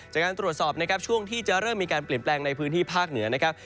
จากการตรวจสอบนะครับช่วงที่จะเริ่มมีการเปลี่ยนแปลงในพื้นที่ภาคเหนือนะครับ